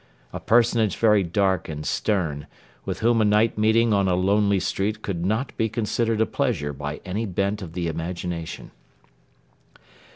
A personage very dark and stern, with whom a night meeting on a lonely street could not be considered a pleasure by any bent of the imagination.